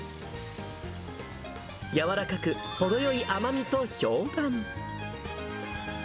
柔らかく程よい甘みと評判。